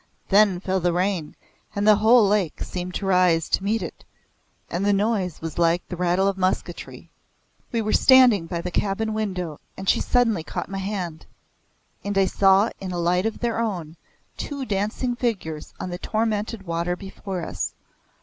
Then fell the rain, and the whole lake seemed to rise to meet it, and the noise was like the rattle of musketry. We were standing by the cabin window and she suddenly caught my hand, and I saw in a light of their own two dancing figures on the tormented water before us.